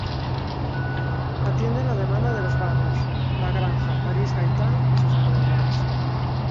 Atiende la demanda de los barrios La Granja, París-Gaitán y sus alrededores.